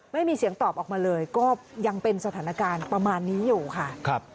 ไม่มีเสียงตอบออกมาเลยก็ยังเป็นสถานการณ์ประมาณนี้อยู่ค่ะ